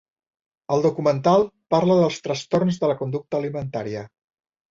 El documental parla dels trastorns de la conducta alimentària.